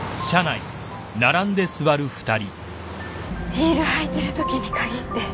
ヒール履いてるときに限って。